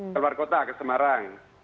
keluar kota ke semarang